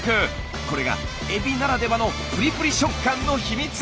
これがエビならではのプリプリ食感の秘密。